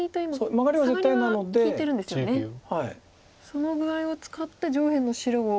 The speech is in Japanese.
その具合を使って上辺の白を。